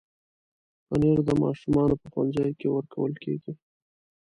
پنېر د ماشومانو په ښوونځیو کې ورکول کېږي.